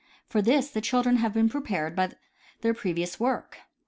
For this the children have been prepared by their previous work.